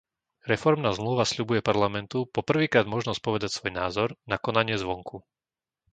Reformná zmluva sľubuje Parlamentu po prvýkrát možnosť povedať svoj názor na konanie zvonku.